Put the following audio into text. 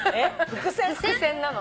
伏線なの。